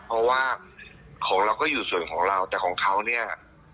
เพราะว่าของเราก็อยู่ส่วนของเราแต่ของเขาเนี่ย